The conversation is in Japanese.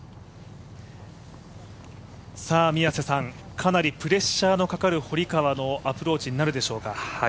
かなりプレッシャーのかかる堀川のアプローチになるでしょうか。